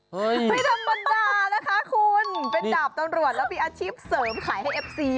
ไม่ธรรมดานะคะคุณเป็นดาบตำรวจแล้วมีอาชีพเสริมขายให้เอฟซี